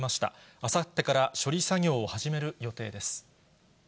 あさってから処理作業を始める予定です。